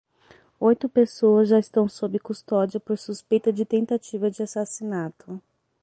Oito pessoas já estão sob custódia por suspeita de tentativa de assassinato.